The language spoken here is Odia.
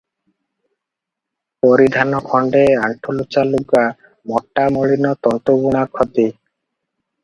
ପରିଧାନ ଖଣ୍ଡେ ଆଣ୍ଠୁଲୁଚା ଲୁଗା, ମୋଟା ମଳିନ ତନ୍ତ ବୁଣା ଖଦି ।